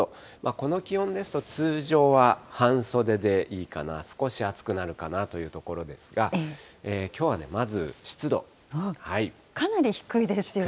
この気温ですと通常は半袖でいいかな、少し暑くなるかなというところですが、かなり低いですよね。